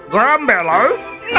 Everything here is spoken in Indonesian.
kau akan menanggapi dia